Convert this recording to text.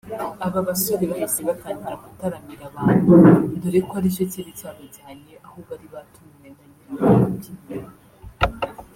Aba basore bahise batangira gutaramira abantu dore ko aricyo cyari cyabajyanye aho bari batumiwe na nyiri aka kabyiniro